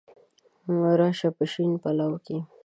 را شه په شین پلو کي